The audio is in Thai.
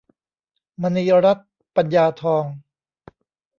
มณีรัตน์ ปัญญาทอง